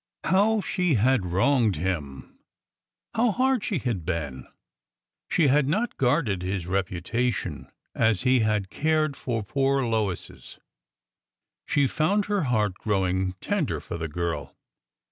How she had wronged him I How hard she had been ! She had not guarded his reputation as he had cared for poor Lois's. She found her heart growing tender for the girl.